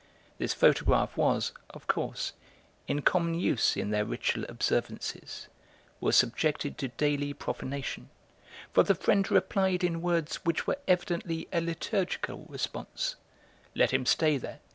This photograph was, of course, in common use in their ritual observances, was subjected to daily profanation, for the friend replied in words which were evidently a liturgical response: "Let him stay there.